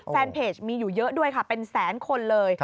แฟนเพจมีอยู่เยอะด้วยค่ะเป็นแสนคนเลย